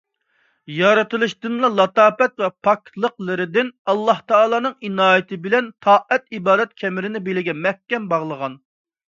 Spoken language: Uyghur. يارىتلىشدىنلا لاتاپەت ۋە پاكلىقلىرىدىن ئاللاھتائالانىڭ ئىنايىتى بىلەن تائەت - ئىبادەت كەمىرىنى بېلىگە مەھكەم باغلىغان.